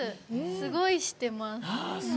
すごいしてます。